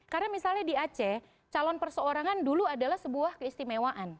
karena misalnya di aceh calon perseorangan dulu adalah sebuah keistimewaan